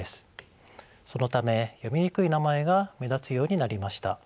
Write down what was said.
そのため読みにくい名前が目立つようになりました。